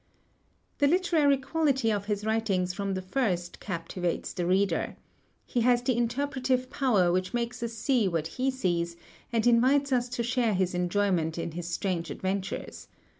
The literary quality of his writings from the first captivates the reader. He has the interpretive power which makes us see what he sees and invites us to share his enjoyment in his strange adventures.